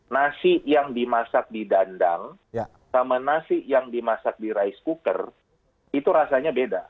nasi yang dimasak di dandang sama nasi yang dimasak di rice cooker itu rasanya beda